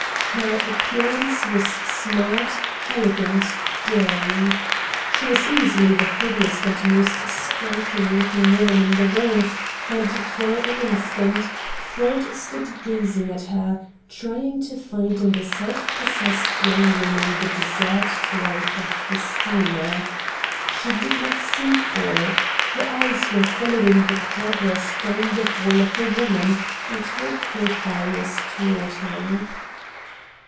Her appearance was smart, elegant, daring. She was easily the prettiest and most striking looking woman in the room, and for an instant Ford stood gazing at her, trying to find in the self possessed young woman the deserted wife of the steamer. She did not see Ford. Her eyes were following the progress down the hall of a woman, and her profile was toward him.